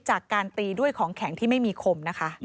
จากการตีด้วยเองของแข็งที่ไม่มีคม